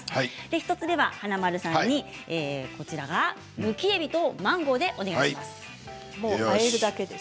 １つ目は華丸さんにむきえびとマンゴーであえるだけです。